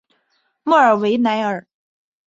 莫尔维莱尔。